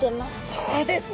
そうですね。